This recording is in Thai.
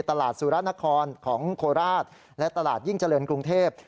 สุรนครของโคราชและตลาดยิ่งเจริญกรุงเทพ